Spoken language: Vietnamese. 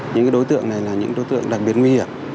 những đối tượng này là những đối tượng đặc biệt nguy hiểm